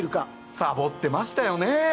サボってましたよねぇ。